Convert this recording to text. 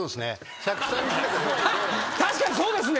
「確かにそうですね」